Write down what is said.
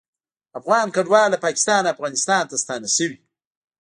افغان کډوال له پاکستانه افغانستان ته ستانه شوي